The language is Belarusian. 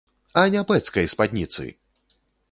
А не пэцкай спадніцы!